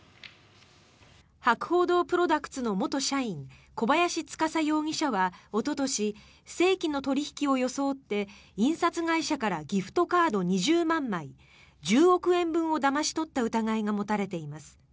博報堂プロダクツの元社員小林司容疑者はおととし正規の取引を装って印刷会社からギフトカード２０万枚１０億円分をだまし取った疑いが持たれています。